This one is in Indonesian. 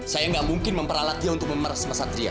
saya gak mungkin memperalat dia untuk memeras mas satria